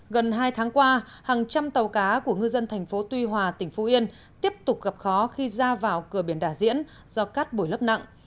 gần hai tháng qua hàng trăm tàu cá của ngư dân thành phố tuy hòa tỉnh phú yên tiếp tục gặp khó khi ra vào cửa biển đà diễn do cát bồi lấp nặng